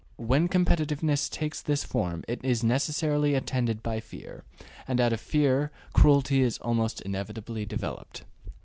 When competitiveness takes this form it is necessarily attended by fear, and out of fear cruelty is almost inevitably developed.